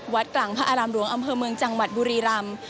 กลางพระอารามหลวงอำเภอเมืองจังหวัดบุรีรำ